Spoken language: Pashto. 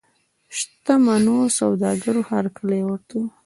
شته منو سوداګرو هرکلی ورته ووایه.